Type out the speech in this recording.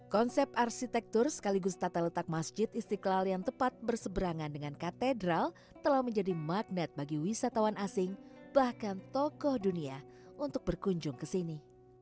konsep arsitektur sekaligus tata letak masjid istiqlal yang tepat berseberangan dengan katedral telah menjadi magnet bagi wisatawan asing bahkan tokoh dunia untuk berkunjung ke sini